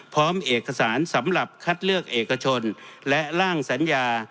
พร้อมเอกสารสำหรับคัดเลือกเอกชนและร่างสัญญา